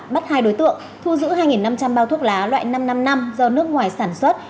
bắt hai đối tượng thu giữ hai năm trăm linh bao thuốc lá loại năm trăm năm mươi năm do nước ngoài sản xuất